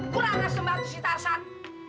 kurang asem banget sitar san